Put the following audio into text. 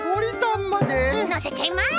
のせちゃいます！